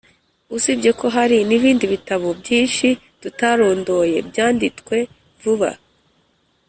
Usibye ko hari n’ibindi bitabo byinshi tutarondoye byanditwe vuba